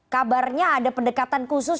kabarnya ada pendekatan khusus